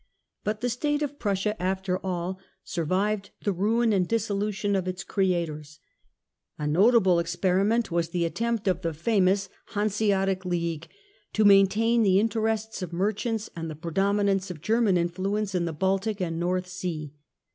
But the state of Prussia, after all, survived the ruin and dissolution of its creators. A notable experi ment was the attempt of the famous Hanseatic League to maintain the interests of merchants and the predominance of German influence in the Baltic and the North Sea.